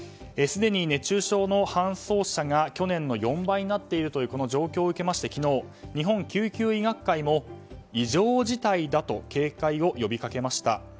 すでに熱中症の搬送者が去年の４倍になっているこの状況を受けまして昨日日本救急医学会も異常事態だと警戒を呼びかけました。